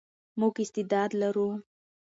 موږ استعداد لرو.